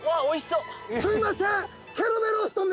すいません！